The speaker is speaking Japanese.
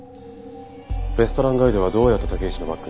レストランガイドはどうやって武石のバッグに？